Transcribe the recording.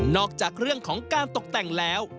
จากเรื่องของการตกแต่งแล้ว